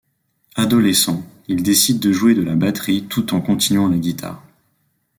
Adolescent, il décide de jouer de la batterie tout en continuant la guitare.